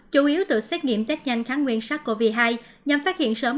chủ yếu tự xét nghiệm test nhanh kháng nguyên sắc covid hai nhằm phát hiện sớm